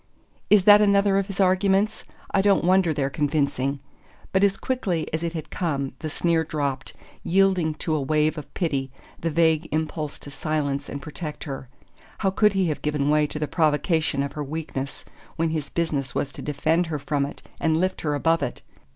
"Is that another of his arguments? I don't wonder they're convincing " But as quickly as it had come the sneer dropped, yielding to a wave of pity, the vague impulse to silence and protect her. How could he have given way to the provocation of her weakness, when his business was to defend her from it and lift her above it?